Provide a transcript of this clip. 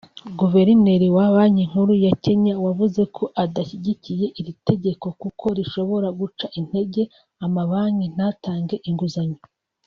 Guverineri wa Banki Nkuru ya Kenya wavuze ko adashyigikiye iri tegeko kuko rishobora guca intege amabanki ntatange inguzanyo